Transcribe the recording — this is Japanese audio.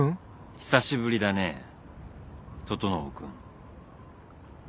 久しぶりだね整君。